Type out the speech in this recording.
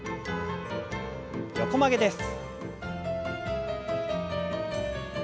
横曲げです。